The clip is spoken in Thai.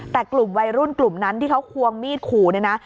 แต่กลุ่มวัยรุ่นกลุ่มนั้นที่เขาควงมีดขู่เนี่ยนะ